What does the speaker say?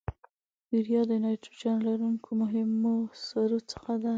یوریا د نایتروجن لرونکو مهمو سرو څخه ده.